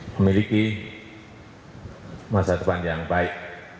memiliki masa depan yang baik